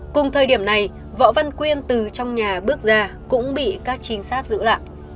cùng thời điểm này võ văn quyên từ trong nhà bước ra cũng bị các trinh sát giữ lại